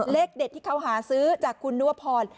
เลขเด็ดที่เขาหาซื้อจากคุณนุวพร